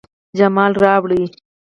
جمال راوړي